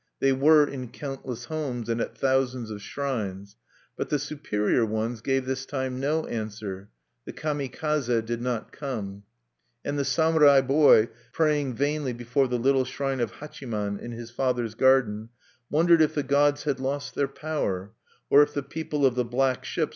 They were, in countless homes and at thousands of shrines. But the Superior Ones gave this time no answer; the Kami kaze did not come. And the samurai boy, praying vainly before the little shrine of Hachiman in his father's garden, wondered if the gods had lost their power, or if the people of the Black Ships were under the protection of stronger gods.